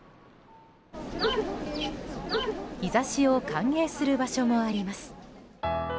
日差しを歓迎する場所もあります。